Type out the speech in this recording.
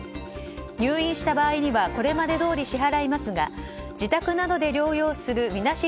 入院した場合にはこれまでどおり支払いますが自宅などで療養するみなし